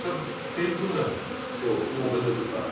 今日もう弁当食った？